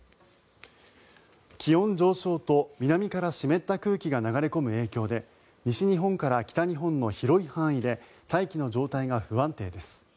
気温上昇と、南から湿った空気が流れ込む影響で西日本から北日本の広い範囲で大気の状態が不安定です。